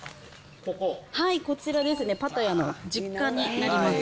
こちらですね、パタヤの実家になります。